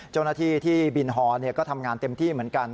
เจ้าหน้าที่ที่บินฮอลก็ทำงานเต็มที่เหมือนกัน